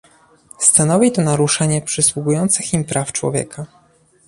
Stanowi to naruszenie przysługujących im praw człowieka